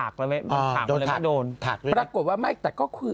ก็กลัวตายไปเลย